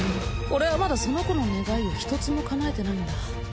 俺はまだその子の願いを一つも叶えてないんだ